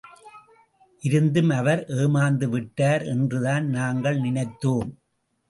இருந்தும் அவர் ஏமாந்து விட்டார் என்றுதான் நாங்கள் நினைத்தோம்.